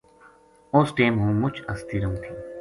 اُس ٹیم ہوں مُچ ہستی رہوں تھی